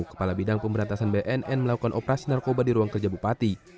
kepala bidang pemberantasan bnn melakukan operasi narkoba di ruang kerja bupati